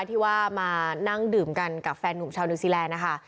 ที่ว่ามานั่งดื่มกันกับแฟนหนุ่มชาวนิวซีแลนด์นะคะ